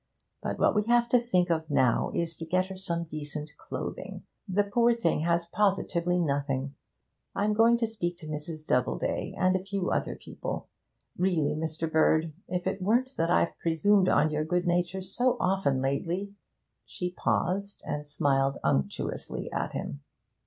But what we have to think of now is to get her some decent clothing. The poor thing has positively nothing. I'm going to speak to Mrs. Doubleday, and a few other people. Really, Mr. Bird, if it weren't that I've presumed on your good nature so often lately ' She paused and smiled unctuously at him.